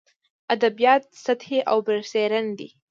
ادبیات سطحي او برسېرن دي.